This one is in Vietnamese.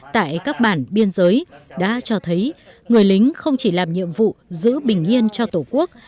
tại các bản biên giới đã cho thấy người lính không chỉ làm nhiệm vụ giữ bình yên cho tổ quốc